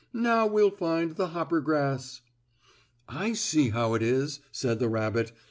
Now, we'll find the hoppergrass." "I see how it is," said the rabbit.